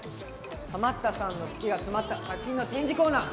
ハマったさんの好きが詰まった作品の展示コーナー。